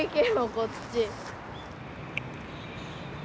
こっち！